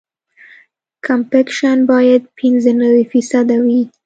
کمپکشن باید پینځه نوي فیصده وي